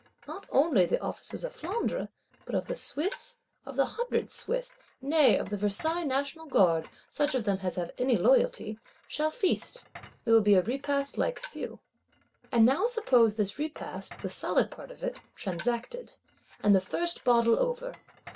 Not only the Officers of Flandre, but of the Swiss, of the Hundred Swiss, nay of the Versailles National Guard, such of them as have any loyalty, shall feast: it will be a Repast like few. And now suppose this Repast, the solid part of it, transacted; and the first bottle over.